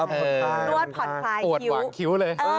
นวดผ่อนคลายคิ้ว